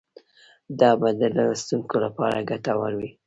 دا به د لوستونکو لپاره ګټور وي.